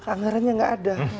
anggarannya nggak ada